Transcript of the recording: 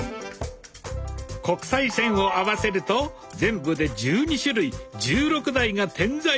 国際線を合わせると全部で１２種類１６台が点在。